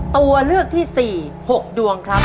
ตัวเลือกที่๔๖ดวงครับ